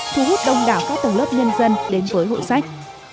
thu hút đông đảo các tầng lớp nhân dân đến với hội sách